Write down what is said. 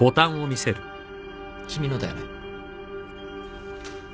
君のだよね。